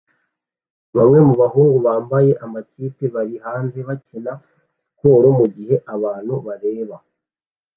Bamwe mu bahungu bambaye amakipe bari hanze bakina siporo mugihe abantu bareba